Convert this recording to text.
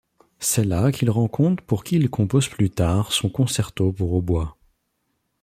C'est là qu'il rencontre pour qui il compose plus tard son concerto pour hautbois.